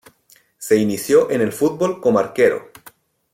Se inició en el fútbol como arquero.